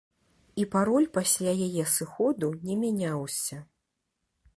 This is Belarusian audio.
І пароль пасля яе сыходу не мяняўся.